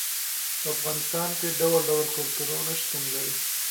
په افغانستان کې ډول ډول کلتورونه شتون لري.